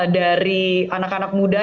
dari anak anak muda